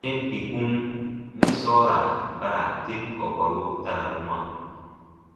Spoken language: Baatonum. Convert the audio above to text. Yɛm kpikum mɛ sɔɔra bara ten kɔkɔru ta ra n wãa.